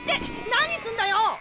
何すんだよ！